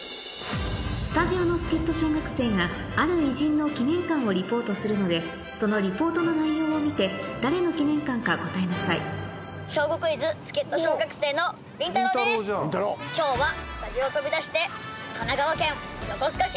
スタジオの助っ人小学生がある偉人の記念館をリポートするのでそのリポートの内容を見て誰の記念館か答えなさい『小５クイズ』助っ人小学生のりんたろうです。今日はスタジオを飛び出して。